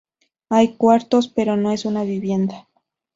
Hay cuartos, pero no es una vivienda.